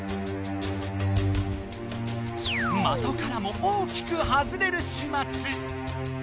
的からも大きく外れるしまつ。